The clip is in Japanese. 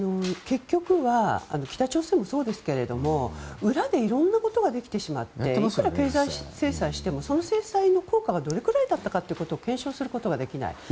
結局は北朝鮮もそうですけども裏で色んなことができてしまっていくら経済制裁してもその制裁の効果がどれくらいだったかってことを検証することができない。